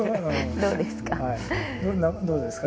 どうですか？